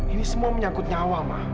ini semua menyangkut nyawa mbak